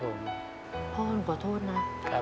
บางคนขอโทษนะ